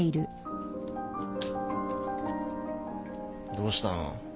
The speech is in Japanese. ・どうしたの？